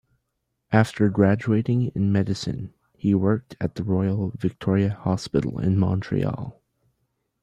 After graduating in Medicine he worked at the Royal Victoria Hospital in Montreal.